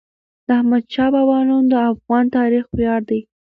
د احمدشاه بابا نوم د افغان تاریخ ویاړ دی.